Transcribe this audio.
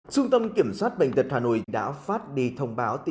cứ đánh ứng cho bà thôi